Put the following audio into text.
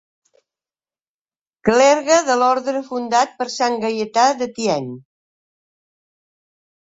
Clergue de l'orde fundat per sant Gaietà de Thiene.